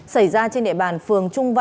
xảy ra trên địa bàn phường trung văn